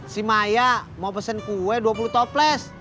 si maya mau pesen kue dua puluh toples